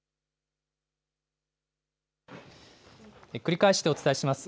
繰り返してお伝えします。